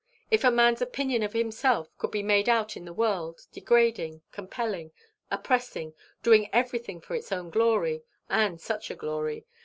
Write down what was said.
if a man's opinion of himself could be made out in the world, degrading, compelling, oppressing, doing everything for his own glory! and such a glory!